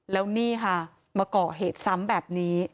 แล้วนี่ค่ะมาก่อเหตุซ้ำแบบนี้